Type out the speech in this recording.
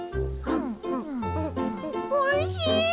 おいしい！